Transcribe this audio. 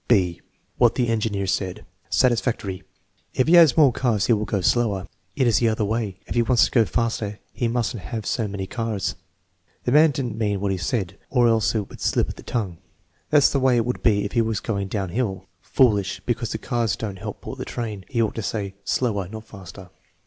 " (b) What the engineer said Satisfactory* "If he has more cars he will go slower." "It is the other way. If he wants to go faster he must n't have so many TEST NO. X, 2 257 cars." "The man did n't mean what he said, or else it was a slip of the tongue." "That's the way it would be if he was going down hill." "Foolish, because the cars don't help pull the train." "He ought to say slower, not faster."